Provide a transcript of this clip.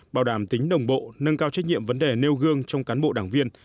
bảo đảm tính đồng bộ nâng cao trách nhiệm vấn đề nêu gương trong cán bộ đảng viên